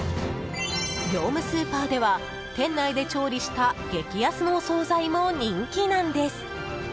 業務スーパーでは店内で調理した激安のお総菜も人気なんです！